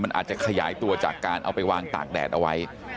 มันอาจจะขยายตัวจากการเอาไปวางตากแดดเอาไว้